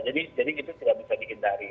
jadi itu tidak bisa dihindari